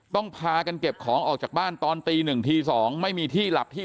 พากันเก็บของออกจากบ้านตอนตีหนึ่งที๒ไม่มีที่หลับที่